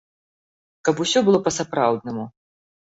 Каб усё было па-сапраўднаму.